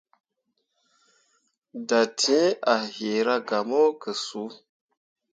Dattǝǝre a yiira gah mo ke suu.